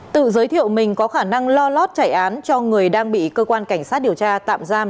tự giới thiệu mình có khả năng lo lót chạy án cho người đang bị cơ quan cảnh sát điều tra tạm giam